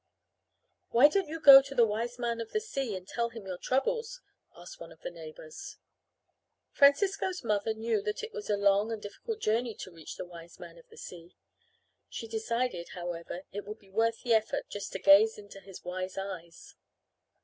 "Why don't you go to the Wiseman of the Sea and tell him your troubles?" asked one of the neighbors. Francisco's mother knew that it was a long and difficult journey to reach the Wiseman of the Sea. She decided, however, it would be worth the effort just to gaze into his wise eyes.